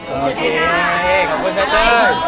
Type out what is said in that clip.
โอเคนะขอบคุณเต้